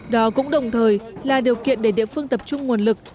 đó cũng đồng thời là điều kiện để địa phương tập trung nguồn lực